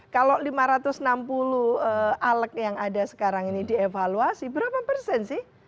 kalau lima ratus enam puluh alek yang ada sekarang ini dievaluasi berapa persen sih